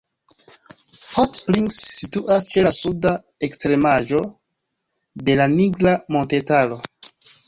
Hot Springs situas ĉe la suda ekstremaĵo de la Nigra montetaro.